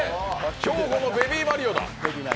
兵庫のベビーマリオだ。